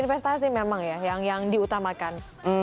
investasi memang ya yang diutamakan